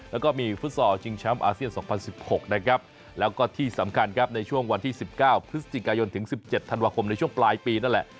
แล้วก็มีฟุตซอลชิงแชมป์อาเซียน๒๐๑๖นะครับแล้วก็ที่สำคัญครับในช่วงวันที่๑๙พฤศจิกายนถึง๑๗ธันวาคมในช่วงปลายปีนั่นแหละ